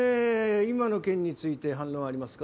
今の件について反論ありますか？